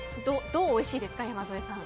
どうおいしいですか、山添さん。